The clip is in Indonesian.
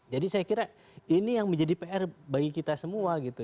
saya kira ini yang menjadi pr bagi kita semua gitu